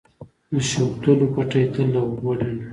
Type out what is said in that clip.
د شولو پټي تل له اوبو ډنډ وي.